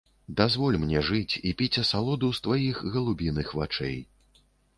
Дазволь мне жыць і піць асалоду з тваіх галубіных вачэй.